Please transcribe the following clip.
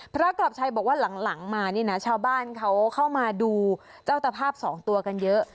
กรอบชัยบอกว่าหลังมานี่นะชาวบ้านเขาเข้ามาดูเจ้าตภาพสองตัวกันเยอะ